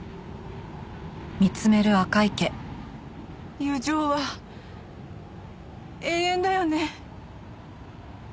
友情は永遠だよね？